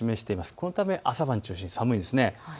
このため朝晩を中心に寒いんです。